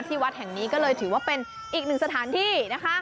วัดแห่งนี้ก็เลยถือว่าเป็นอีกหนึ่งสถานที่นะคะ